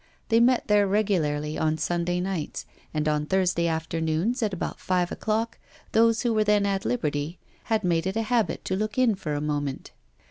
They met there regularly on Sunday nights; and on Thursday afternoons, at about five o'clock, those who were then at liberty had made it a habit to look in for a moment.